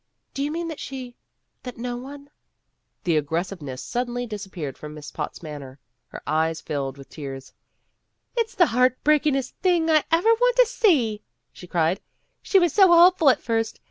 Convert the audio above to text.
"Do you mean that she that no one " A TELEPHONE PARTY 29 The aggressiveness suddenly disappeared from Miss Potts' manner. Her eyes filled with tears. '' It 's the heart breakingest thing I ever want to see," she cried. "She was so hopeful at first.